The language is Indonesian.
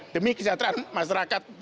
demi kesehatan masyarakat